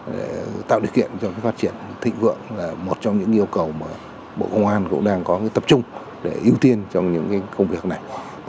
để tạo điều kiện cho phát triển thịnh vượng là một trong những yêu cầu mà bộ công an cũng đang có tập trung để ưu tiên trong những công việc này